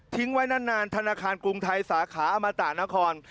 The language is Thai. ธนาคารกรุงไทยสาขาอมตะนคร